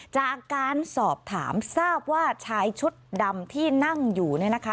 จากการสอบถามทราบว่าชายชุดดำที่นั่งอยู่เนี่ยนะคะ